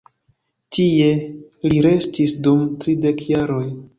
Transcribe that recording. Tie, li restis dum tridek jaroj.